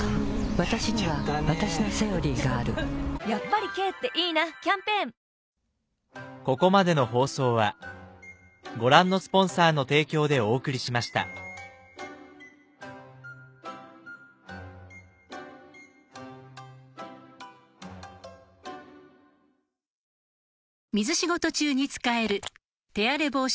わたしにはわたしの「セオリー」があるやっぱり軽っていいなキャンペーン「『クイックル』で良くない？」